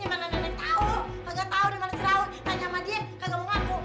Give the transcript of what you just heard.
ya mana nenek tau kagak tau dimana si raun tanya sama dia kagak mau ngaku